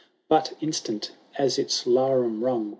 27 But, instant as its *lanim rang.